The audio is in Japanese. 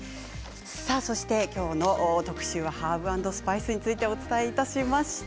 今日の特集はハーブ＆スパイスについてお伝えしました。